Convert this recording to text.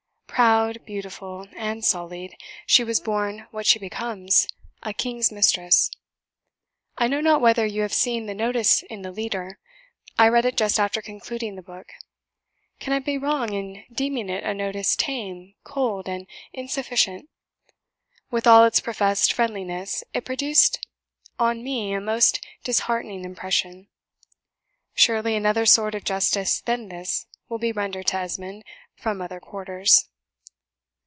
Proud, beautiful, and sullied, she was born what she becomes, a king's mistress. I know not whether you have seen the notice in the Leader; I read it just after concluding the book. Can I be wrong in deeming it a notice tame, cold, and insufficient? With all its professed friendliness, it produced on me a most disheartening impression. Surely, another sort of justice than this will be rendered to 'Esmond' from other quarters.